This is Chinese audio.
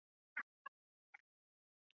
耳笔螺为笔螺科焰笔螺属下的一个种。